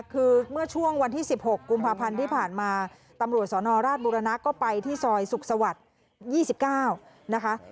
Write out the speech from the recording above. คือเมื่อช่วงวันที่๑๖กุมภาพันธ์ที่ผ่านมาตำรวจสนราชบุรณะก็ไปที่ซอยสุขสวรรค์๒๙นะคะ